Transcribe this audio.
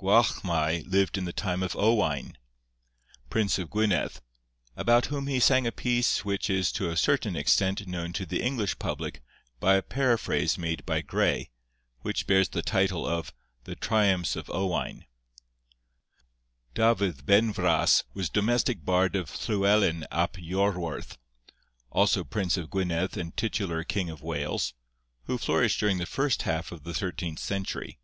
Gwalchmai lived in the time of Owain, prince of Gwynedd, about whom he sang a piece which is to a certain extent known to the English public by a paraphrase made by Gray, which bears the title of 'The Triumphs of Owain.' Dafydd Benfras was domestic bard of Llywelyn ap Jorwerth, also prince of Gwynedd and titular king of Wales, who flourished during the first half of the thirteenth century.